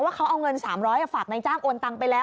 ว่าเขาเอาเงิน๓๐๐ฝากในจ้างโอนตังไปแล้ว